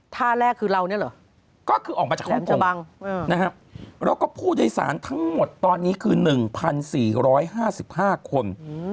ท่าแรกคือเรานี่หรือแถมจบังนะครับแล้วก็ผู้โดยสารทั้งหมดตอนนี้คือ๑๔๕๕คน